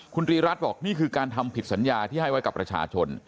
คุณตรีรัฐบอกนี่คือการทำผิดสัญญาที่ให้ไว้กับประชาชน